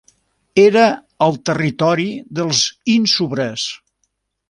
Era al territori dels ínsubres.